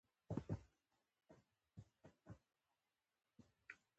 بس هماغه و چې سړى مسلمان شو.